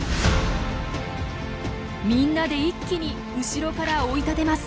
みんなで一気に後ろから追い立てます。